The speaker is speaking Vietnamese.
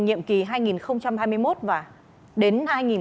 nhiệm kỳ hai nghìn hai mươi một và đến hai nghìn hai mươi năm